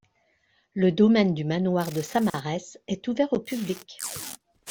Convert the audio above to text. Le domaine du manoir de Samarès est ouvert au public.